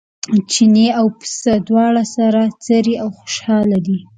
چیني او پسه دواړه سره څري او خوشاله دي.